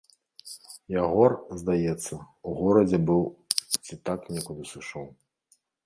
Ягор, здаецца, у горадзе быў ці так некуды сышоў.